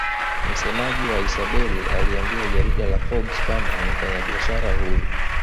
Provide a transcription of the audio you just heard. Msemaji wa Isabel aliambia jarida la Forbes kwamba ni mfanyabiashara huru